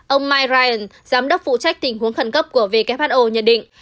ông mike ryan giám đốc phụ trách tình huống khẩn cấp của who nhận định